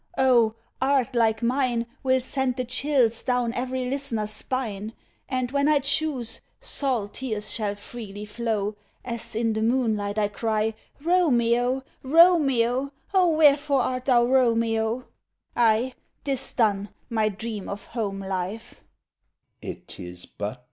Oh, art like mine Will send the chills down every listener's spine! And when I choose, salt tears shall freely flow As in the moonlight I cry, 'Romeo! Romeo! Oh, wherefore art thou, Romeo?' Ay, 'tis done My dream of home life.